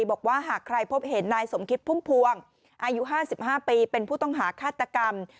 บอกว่าหากใครพบเห็นนายสมคิดพุ่มพวงอายุ๕๕ปีเป็นผู้ต้องหาฆาตกรรม